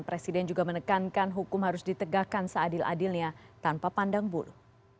presiden juga menekankan hukum harus ditegakkan seadil adilnya tanpa pandang bulu